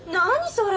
それ。